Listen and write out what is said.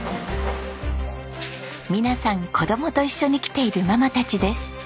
皆さん子供と一緒に来ているママたちです。